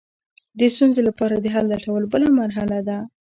د ستونزې لپاره د حل لټول بله مرحله ده.